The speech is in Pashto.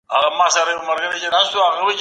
ما تېره اونۍ په خپله ویبپاڼه کي بدلون راوړ.